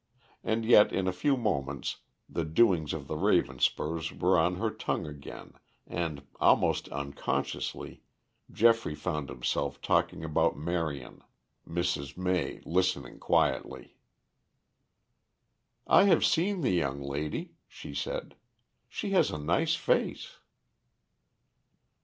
And yet in a few moments the doings of the Ravenspurs were on her tongue again and, almost unconsciously, Geoffrey found himself talking about Marion, Mrs. May listening quietly. "I have seen the young lady," she said. "She has a nice face."